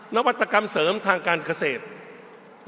นวัตกรรมเสริมทางการเกษตร